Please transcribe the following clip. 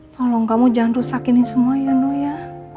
tolong kamu jangan rusak ini semua ya nu ya